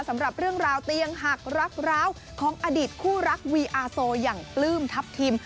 สำหรับเรื่องราวเตียงหักรักร้าวของอดีตคู่รักวีอาโซอย่างปลื้มทัพทิม